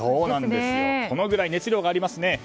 これぐらい熱量がありますね。